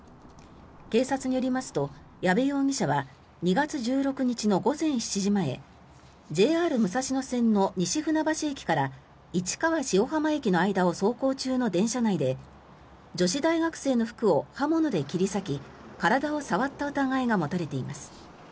警察によりますと、矢部容疑者は２月１６日の午前７時前ＪＲ武蔵野線の西船橋駅から市川塩浜駅の間を走行中の車内で女子大学生の服を刃物で切り裂き体を触った疑いが持たれています。